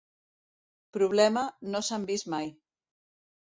Problema, no s'han vist mai.